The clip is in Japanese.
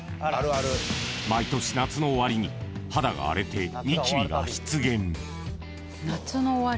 ［毎年夏の終わりに肌が荒れてニキビが出現］